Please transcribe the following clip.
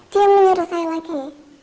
dia menyerah saya lagi